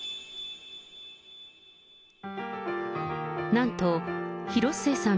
なんと、広末さん